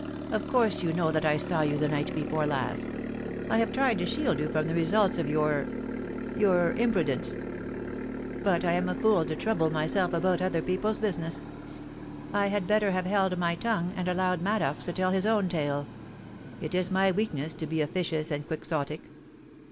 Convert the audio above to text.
Of course you know that I saw you the night before last I have tried to shield you from the results of your — your im prudence. ... But I am a fool to trouble myself about 38o POLICY AND PASSION. other people's business, I had better have held my tongue, and allowed Maddox to tell his own tale : it is my weakness to be officious and Quixotic.'